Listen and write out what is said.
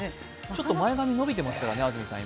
ちょっと前髪伸びていますからね、安住さん。